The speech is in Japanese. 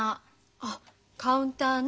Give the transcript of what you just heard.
あっカウンターね。